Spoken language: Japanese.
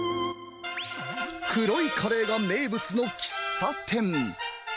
黒いカレーが名物の喫茶店。